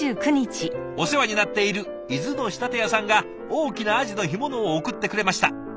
お世話になっている伊豆の仕立て屋さんが大きなアジの干物を送ってくれました。